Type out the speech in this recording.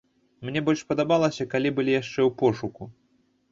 Мне больш падабалася, калі былі яшчэ ў пошуку.